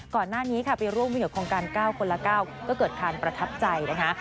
ก่อนหน้านี้ค่ะไปร่วมวิ่งกับโครงการ๙คนละ๙ก็เกิดการประทับใจนะคะ